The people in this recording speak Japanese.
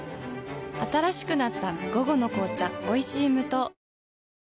新しくなった「午後の紅茶おいしい無糖」